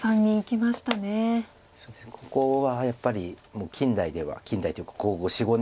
ここはやっぱり近代では近代というかここ４５年ですか。